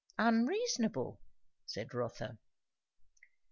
"Unreasonable " said Rotha.